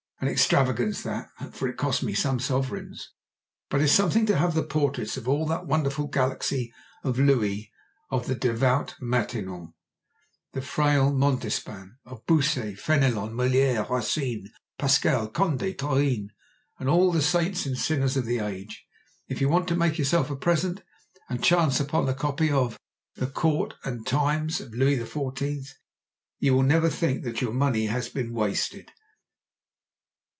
An extravagance that—for it cost me some sovereigns—but it is something to have the portraits of all that wonderful galaxy, of Louis, of the devout Maintenon, of the frail Montespan, of Bossuet, Fénelon, Molière, Racine, Pascal, Condé, Turenne, and all the saints and sinners of the age. If you want to make yourself a present, and chance upon a copy of "The Court and Times of Louis XIV.," you will never think that your money has been wasted.